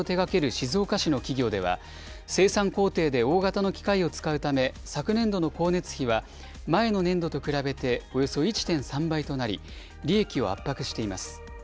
静岡市の企業では、生産工程で大型の機械を使うため、昨年度の光熱費は前の年度と比べておよそ１．３倍となり、利益を圧迫しています。